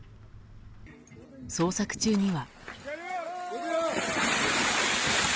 捜索中には。